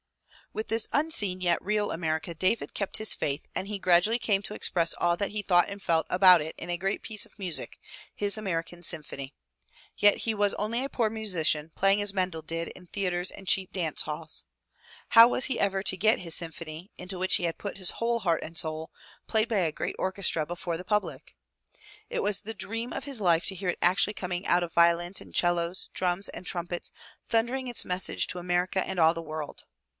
With this unseen yet real America David kept his faith and he gradually came to express all that he thought and felt about it in a great piece of music, his American symphony. Yet he was only a poor musician playing as Mendel did, in theatres and cheap dance halls. How was he ever to get his symphony, into which he had put his whole heart and soul, played by a great orchestra before the public? It was the dream of his life to hear it actually coming out of violins and cellos, drums and trumpets, thundering its message to America and all the world.